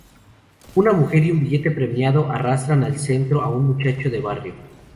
Una mujer y un billete premiado arrastran al centro a un muchacho de barrio.